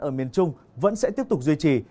ở miền trung vẫn sẽ tiếp tục duy trì